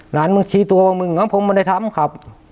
มึงชี้ตัวว่ามึงของผมไม่ได้ทำครับ